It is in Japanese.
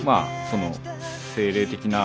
その精霊的な。